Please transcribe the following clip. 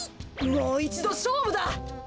もういちどしょうぶだ！